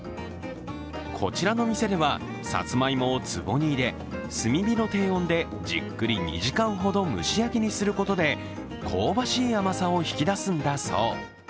こちらの店では、さつまいもをつぼに入れ、炭火の低温でじっくり２時間ほど蒸し焼きにすることで香ばしい甘さを引き出すんだそう。